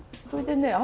それでね